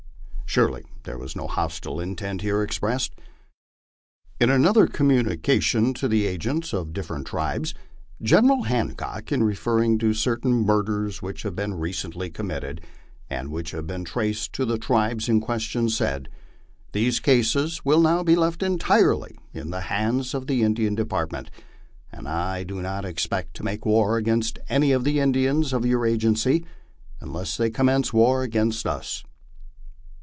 Surely there was no hostile intent here expressed. In another communica tion to the agents of different tribes, General Hancock, in referring to certain murders which had been recently committed, and which had been traced to the tribes in question, said: " These cases will now be left entirely in the hands of the Indian Department, and I do not expect to make war against any of the Indians of your agency unless they commence war against us."